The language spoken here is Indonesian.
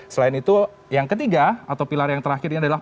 selain itu yang ketiga atau pilar yang terakhir ini adalah